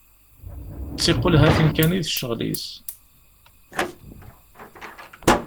D tiqulhatin kan i d ccɣel-is.